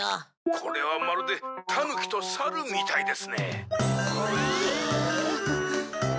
「これはまるでタヌキとサルみたいですね」